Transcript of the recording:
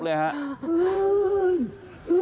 เห็นมั้ย